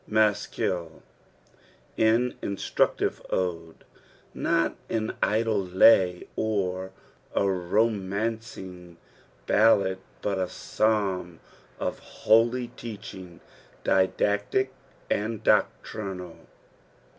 M&scbil, an inslructiw ode, not an idle lay, or a romane big ballad, but a Ps<tim of ftoii; (eoching, didactic and doctrinal.